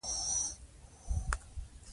کور ژر ودان کړه.